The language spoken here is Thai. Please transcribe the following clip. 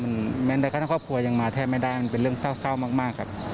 แม้แต่กระทั่งครอบครัวยังมาแทบไม่ได้มันเป็นเรื่องเศร้ามากครับ